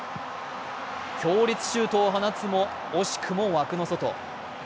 強烈シュートを放つも、惜しくも枠の外。